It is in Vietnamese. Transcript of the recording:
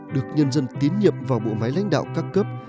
được nhân dân tiến nhập vào bộ máy lãnh đạo ca cấp